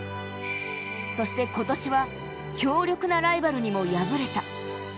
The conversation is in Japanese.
そして今年は強力なライバルにも敗れた。